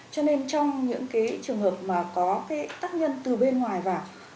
cho nên trong những trường hợp mà có tác nhân từ bên ngoài vào